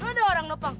lu ada orang lho pang